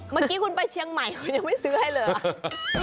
เมื่อกี้คุณไปเชียงใหม่คุณยังไม่ซื้อให้เลยเหรอ